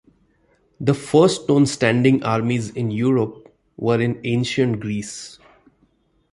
The first known standing armies in Europe were in ancient Greece.